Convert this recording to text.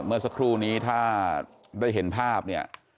เมื่อสักครู่นี้ถ้าได้เห็นภาพเนี่ย